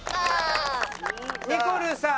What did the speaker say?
ニコルさん。